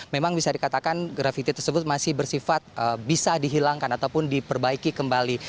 memang bisa dikatakan grafiti tersebut masih bersifat bisa dihilangkan ataupun diperbaiki kembali